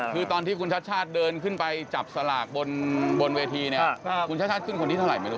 คือตอนที่คุณชัดเดินขึ้นไปจับสลากบนเวทีคุณชัดขึ้นคนที่เท่าไหร่ไม่รู้